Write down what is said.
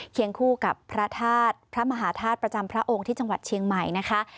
คู่กับพระธาตุพระมหาธาตุประจำพระองค์ที่จังหวัดเชียงใหม่นะคะ